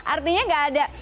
artinya tidak ada